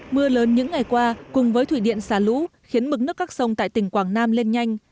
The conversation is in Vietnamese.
mưa lớn những ngày qua cùng với thủy điện xả lũ khiến mực nước các sông tại tỉnh quảng nam lên nhanh